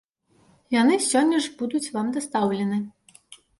Яны сёння ж будуць вам дастаўлены.